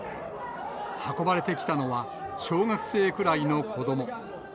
運ばれてきたのは小学生くらいの子ども。